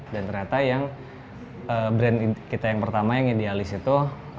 dan ternyata brand kita yang pertama yang idealis itu